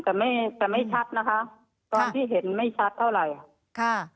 แต่ไม่แต่ไม่ชัดนะคะตอนที่เห็นไม่ชัดเท่าไหร่ค่ะ